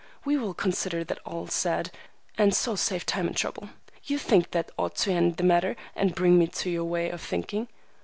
We will consider that all said, and so save time and trouble. You think that ought to end the matter and bring me to your way of thinking.